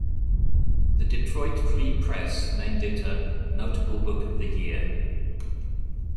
The Detroit Free Press named it a "Notable Book of the Year".